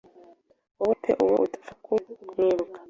Wowe pe uwo udapfa ku mwibuka